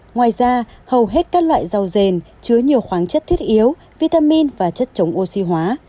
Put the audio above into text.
ngoài ra hầu hết các loại rau dền chứa nhiều khoáng chất thiết yếu vitamin và chất chống oxy hóa